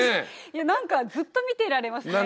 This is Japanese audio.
いやなんかずっと見ていられますね